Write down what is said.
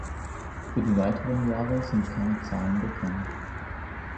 Für die weiteren Jahre sind keine Zahlen bekannt.